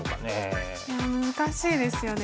いや難しいですよね。